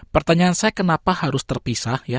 pertanyaan saya kenapa harus terpisah ya